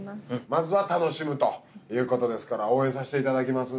まずは楽しむということですから応援さしていただきます